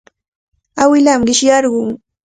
Awilaami qishyarqun.